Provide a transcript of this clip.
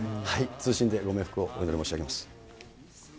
謹んでご冥福をお祈り申し上げます。